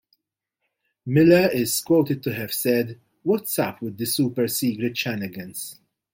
Miller is quoted to have said, What's up with this super secret shanigans?